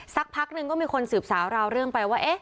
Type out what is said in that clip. สักพักนึงก็มีคนสืบสาวราวเรื่องไปว่า